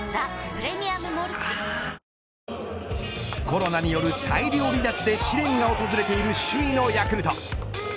コロナによる大量離脱で試練が訪れている首位のヤクルト。